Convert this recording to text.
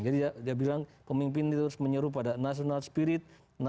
jadi dia bilang pemimpin itu harus menyeru pada national spirit